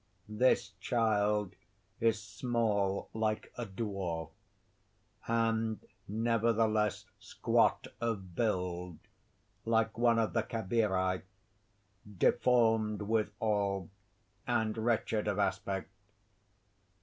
(_This child is small like a dwarf, and nevertheless squat of build, like one of the Cabiri; deformed withal, and wretched of aspect.